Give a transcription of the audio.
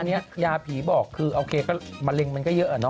อันนี้ยาผีบอกคือโอเคก็มะเร็งมันก็เยอะอะเนาะ